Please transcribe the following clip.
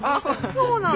そうなんだ。